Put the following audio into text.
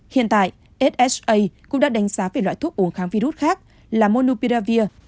hiện tại hsa cũng đã đánh giá về loại thuốc uống kháng virus khác là monopiravir